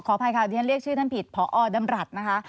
อภัยค่ะที่ฉันเรียกชื่อท่านผิดพอดำรัฐนะคะ